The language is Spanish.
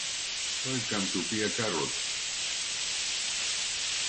Welcome to Pia Carrot!!